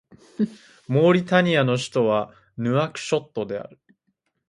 モーリタニアの首都はヌアクショットである